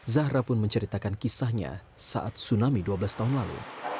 zahra pun menceritakan kisahnya saat tsunami dua belas tahun lalu